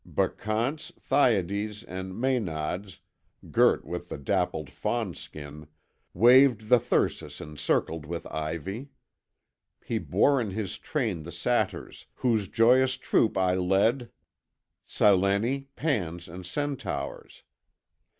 Bacchantes, Thyades, and Mænads, girt with the dappled fawn skin, waved the thyrsus encircled with ivy. He bore in his train the Satyrs, whose joyous troop I led, Sileni, Pans, and Centaurs.